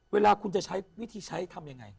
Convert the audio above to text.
เวลาคุณจะใช้วิธีใช้ทำยังไง